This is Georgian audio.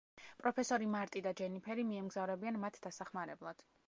პროფესორი, მარტი და ჯენიფერი მიემგზავრებიან მათ დასახმარებლად.